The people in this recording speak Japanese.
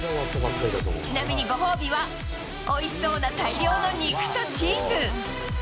ちなみにご褒美は、おいしそうな大量の肉とチーズ。